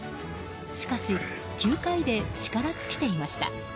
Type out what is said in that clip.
しかし、９回で力尽きていました。